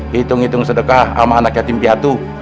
hitung hitung sedekah sama anak yatim piatu